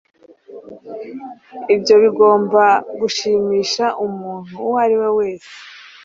Ibyo bigomba gushimisha umuntu uwo ari we wese.